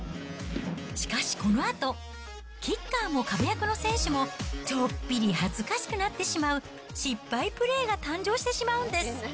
しかしこのあと、キッカーも壁役の選手も、ちょっぴり恥ずかしくなってしまう失敗プレーが誕生してしまうんです。